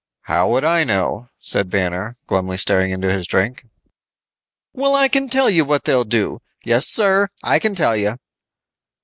"How would I know," said Banner, glumly staring into his drink. "Well, I can tell you what they'll do. Yes, sir, I can tell you."